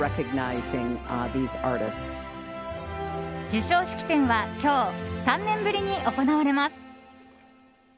授賞式典は今日３年ぶりに行われます。